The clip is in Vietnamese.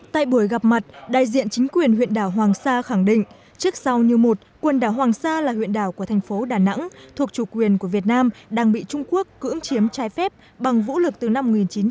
tại buổi gặp mặt đại diện chính quyền huyện đảo hoàng sa khẳng định trước sau như một quần đảo hoàng sa là huyện đảo của thành phố đà nẵng thuộc chủ quyền của việt nam đang bị trung quốc cưỡng chiếm trái phép bằng vũ lực từ năm một nghìn chín trăm chín mươi